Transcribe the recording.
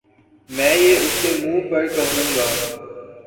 میں یہ اسکے منہ پر کہوں گا